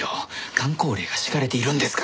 箝口令が敷かれているんですから。